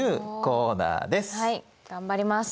はい頑張ります！